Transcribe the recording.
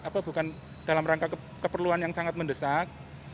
apa bukan dalam rangka keperluan yang sangat mendesak